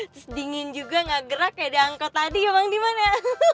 terus dingin juga nggak gerak kayak di angkot tadi ya bang diman ya